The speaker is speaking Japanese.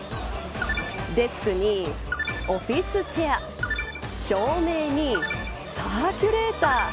デスクにオフィスチェア照明にサーキュレーター。